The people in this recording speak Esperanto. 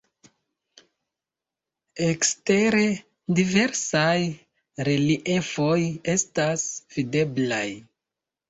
Ekstere diversaj reliefoj estas videblaj.